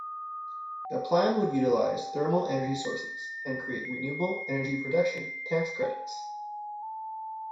The plan would utilize thermal energy sources and create renewable energy production tax credits.